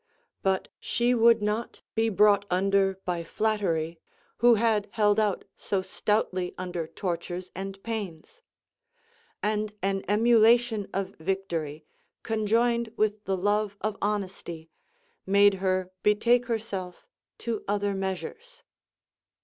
But she would not be brought under by flattery, who had held out so stoutly under tortures and pains ; and an emulation of victory, conjoined with the love of honesty, made her betake herself to other measures.